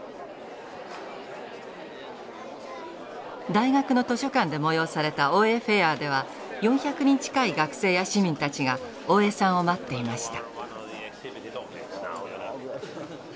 大学の図書館で催された大江フェアでは４００人近い学生や市民たちが大江さんを待っていました。